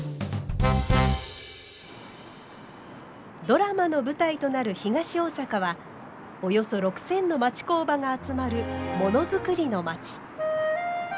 ドラマの舞台となる東大阪はおよそ６，０００の町工場が集まるものづくりの町。